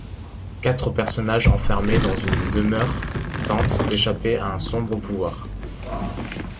Quatre personnages enfermés dans une demeure tentent d'échapper à un sombre pouvoir.